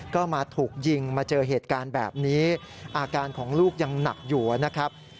ก็มาถูกยิงมาเจอเหตุการณ์แบบนี้อาการของลูกยังหนักอยู่นะครับ